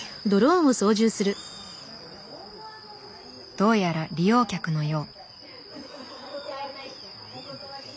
どうやら利用客のよう。